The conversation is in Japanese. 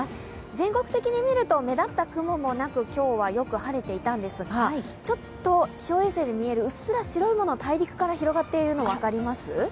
全国的に見ると目立った雲もなく、今日はよく晴れていたんですが、ちょっと気象衛星で見えるうっすら白いものが大陸から広がっているのが見えます？